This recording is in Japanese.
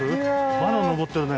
まだ上ってるね。